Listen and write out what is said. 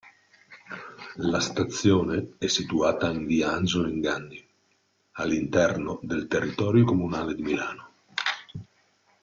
La stazione è situata in via Angelo Inganni, all'interno del territorio comunale di Milano.